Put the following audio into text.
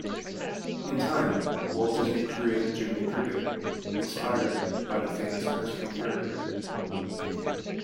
In time, Walt Disney created Jiminy Cricket, inspired by the famous Mexican character.